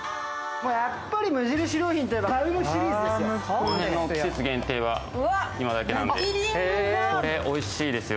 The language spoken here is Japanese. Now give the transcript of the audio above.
やっぱり無印良品といえばバウムシリーズですよ。